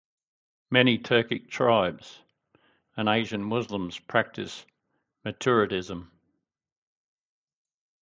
Many Turkic tribes and Asian Muslims practice Maturidism.